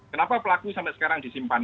kenapa pelaku sampai sekarang disimpan